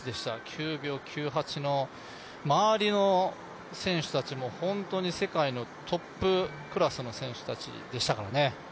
９秒９８の周りの選手たちも本当に世界のトップクラスの選手たちでしたからね。